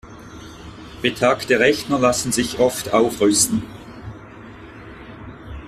Betagte Rechner lassen sich oft aufrüsten.